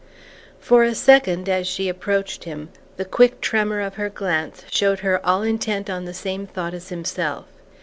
XX For a second, as she approached him, the quick tremor of her glance showed her all intent on the same thought as himself.